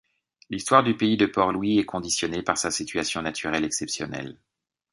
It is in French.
L'histoire du pays de Port-Louis est conditionnée par sa situation naturelle exceptionnelle.